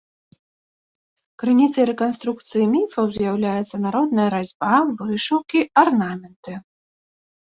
Крыніцай рэканструкцыі міфаў з'яўляецца народная разьба, вышыўкі, арнаменты.